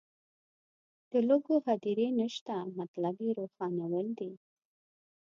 د لوږو هدیرې نشته مطلب یې روښانول دي.